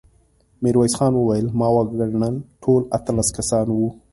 ميرويس خان وويل: ما وګڼل، ټول اتلس کسان وو.